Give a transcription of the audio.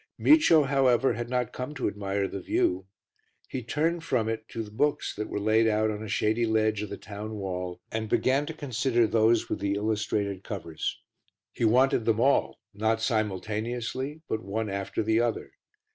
Micio, however, had not come to admire the view; he turned from it to the books that were laid out on a shady ledge of the town wall and began to consider those with the illustrated covers. He wanted them all, not simultaneously but one after the other.